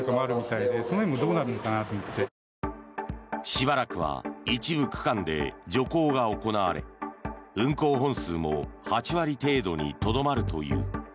しばらくは一部区間で徐行が行われ運行本数も８割程度にとどまるという。